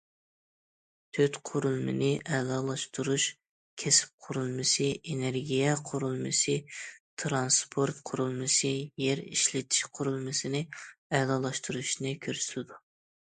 تۆت قۇرۇلمىنى ئەلالاشتۇرۇش كەسىپ قۇرۇلمىسى، ئېنېرگىيە قۇرۇلمىسى، تىرانسپورت قۇرۇلمىسى، يەر ئىشلىتىش قۇرۇلمىسىنى ئەلالاشتۇرۇشنى كۆرسىتىدۇ.